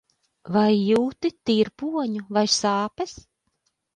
Vai jūti tirpoņu vai sāpes?